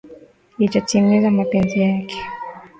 Litatimiza mapenzi yake.